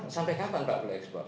sampai kapan pak boleh ekspor